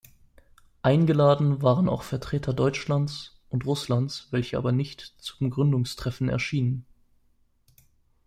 Eingeladen waren auch Vertreter Deutschlands und Russlands, welche aber nicht zum Gründungstreffen erschienen.